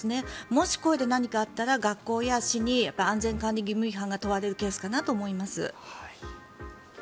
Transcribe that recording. もし、これで何かあったら学校や市に安全管理義務違反が問われるケースかなと思います。